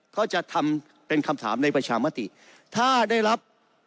ก็จะทำเป็นคำถามในประชามติถ้าได้รับ